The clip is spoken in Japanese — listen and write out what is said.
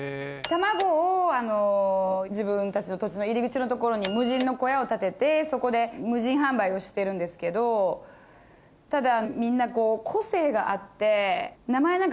卵を自分たちの土地の入り口の所に無人の小屋を建ててそこで無人販売をしてるんですけどただ。